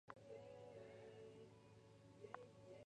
神奈川県山北町